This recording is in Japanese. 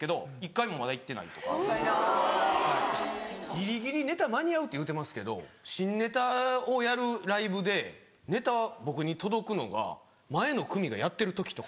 ぎりぎりネタ間に合うって言うてますけど新ネタをやるライブでネタ僕に届くのが前の組がやってる時とか。